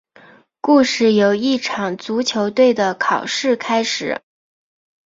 故事由一场足球队的考试开始。